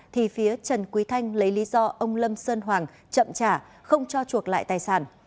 thì phía trần quý thanh lấy lý do ông lâm sơn hoàng chậm trả không cho chuộc lại tài sản